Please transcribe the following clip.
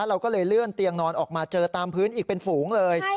เราก็เลยเลื่อนเตียงนอนออกมาเจอตามพื้นอีกเป็นฝูงเลย